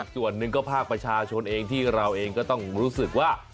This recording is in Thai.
ส่วนหนึ่งก็ภาคประชาชนเองที่เราเองก็ต้องรู้สึกว่า